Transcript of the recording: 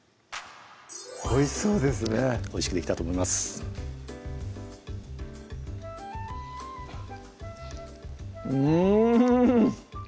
おいしそうですねおいしくできたと思いますうん！